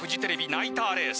ナイターレース。